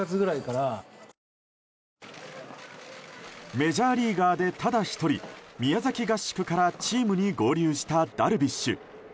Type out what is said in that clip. メジャーリーガーでただ１人宮崎合宿からチームに合流したダルビッシュ。